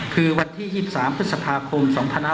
คือวันที่๒๓พย๒๖๒